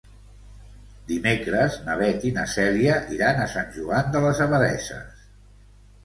Dimecres na Beth i na Cèlia iran a Sant Joan de les Abadesses.